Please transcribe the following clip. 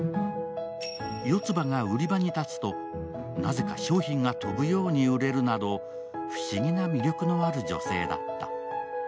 四葉が売り場に立つと、なぜか商品が飛ぶように売れるなど、不思議な魅力のある女性だった。